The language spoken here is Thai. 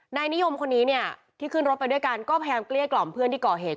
นายนิยมคนนี้เนี่ยที่ขึ้นรถไปด้วยกันก็พยายามเกลี้ยกล่อมเพื่อนที่ก่อเหตุ